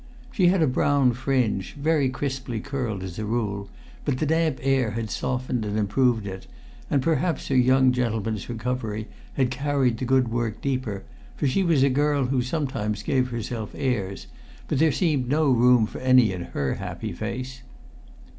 She had a brown fringe, very crisply curled as a rule; but the damp air had softened and improved it; and perhaps her young gentleman's recovery had carried the good work deeper, for she was a girl who sometimes gave herself airs, but there seemed no room for any in her happy face.